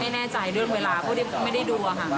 ไม่แน่ใจเวลางานเพราะฉวดิบก็ไม่ได้ดู